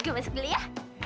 gue masuk dulu ya